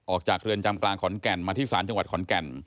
เรือนจำกลางขอนแก่นมาที่ศาลจังหวัดขอนแก่น